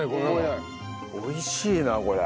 美味しいなこれ。